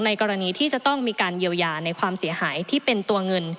กรณีที่จะต้องมีการเยียวยาในความเสียหายที่เป็นตัวเงิน